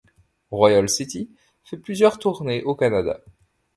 Royal City fait plusieurs tournées au Canada.